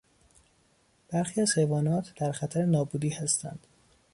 برخی از حیوانات در خطر نابودی هستند.